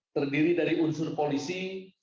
terdiri dari unsur polisi